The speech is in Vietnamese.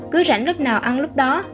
cứ rảnh lúc nào ăn lúc đó